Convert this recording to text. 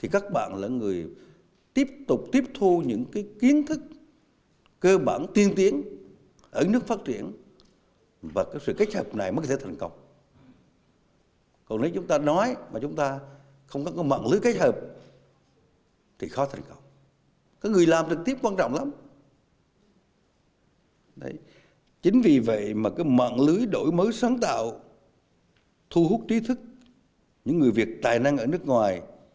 chính vì vậy mà cái mạng lưới đổi mới sáng tạo thu hút trí thức những người việt tài năng ở nước ngoài